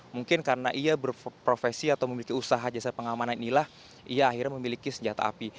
mungkin karena ia berprofesi atau memiliki usaha jasa pengamanan inilah ia akhirnya memiliki senjata api